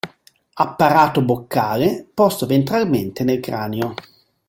Apparato boccale posto ventralmente nel cranio.